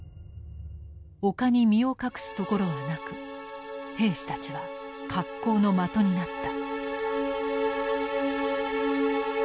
丘に身を隠す所はなく兵士たちは格好の的になった。